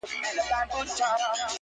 ژوند کله دښمن شي کله کله بیا د یار غوندې